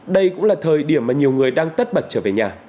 đây cũng là thời điểm mà nhiều người đang tất bật trở về nhà